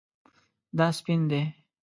دا سپین دی